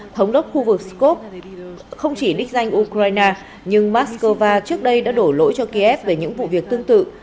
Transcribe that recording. thống đốc khu vực scot không chỉ đích danh ukraine nhưng moscow trước đây đã đổ lỗi cho kiev về những vụ việc tương tự